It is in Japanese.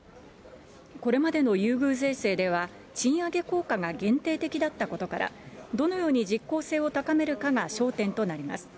これまでの優遇税制では、賃上げ効果が限定的だったことから、どのように実効性を高めるかが焦点となります。